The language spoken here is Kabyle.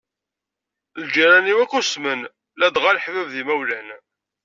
Lǧiran-iw akk usmen, ladɣa leḥbab d yimawlan.